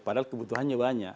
padahal kebutuhannya banyak